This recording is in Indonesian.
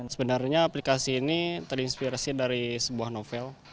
sebenarnya aplikasi ini terinspirasi dari sebuah novel